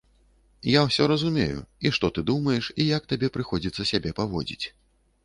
Я усе разумею, і што ты думаеш, і як табе прыходзіцца сябе паводзіць.